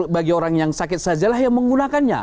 bagi orang yang sakit sajalah yang menggunakannya